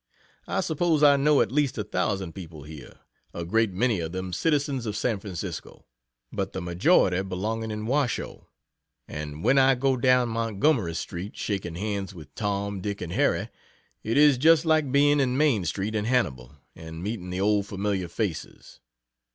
I suppose I know at least a thousand people here a great many of them citizens of San Francisco, but the majority belonging in Washoe and when I go down Montgomery street, shaking hands with Tom, Dick and Harry, it is just like being in Main street in Hannibal and meeting the old familiar faces.